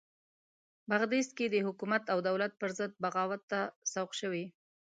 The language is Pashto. بغدیس کې د حکومت او دولت پرضد بغاوت ته سوق شوي.